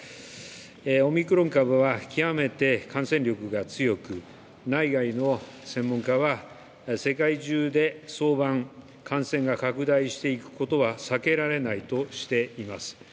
オミクロン株は、極めて感染力が強く、内外の専門家は、世界中で早晩、感染が拡大していくことは避けられないとしています。